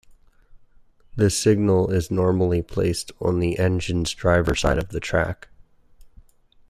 The signal is normally placed on the engine driver's side of the track.